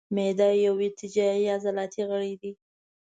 معده یو ارتجاعي عضلاتي غړی دی.